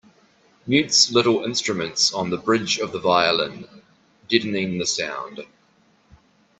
Mutes little instruments on the bridge of the violin, deadening the sound.